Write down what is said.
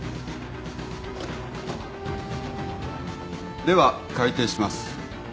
では開廷します。